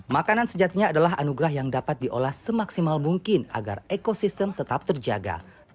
makanan sejatinya adalah anugerah yang dapat diolah semaksimal mungkin agar ekosistem tetap terjaga